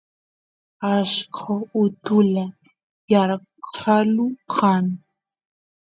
ashqo utula yarqalu kan